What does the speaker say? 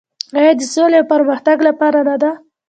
آیا د سولې او پرمختګ لپاره نه ده؟